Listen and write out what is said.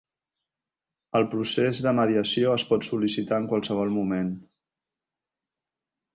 El procés de mediació es pot sol·licitar en qualsevol moment.